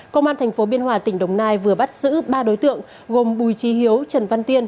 công an tp biên hòa tỉnh đồng nai vừa bắt giữ ba đối tượng gồm bùi trí hiếu trần văn tiên